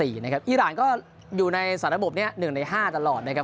อีรานก็อยู่ในสาระบบนี้๑ใน๕ตลอดนะครับ